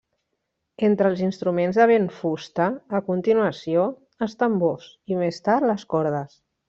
Entren els instruments de vent-fusta, a continuació, els tambors i més tard les cordes.